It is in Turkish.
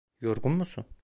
Yorgun musun?